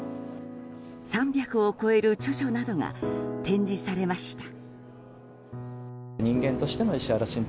３００を超える著書などが展示されました。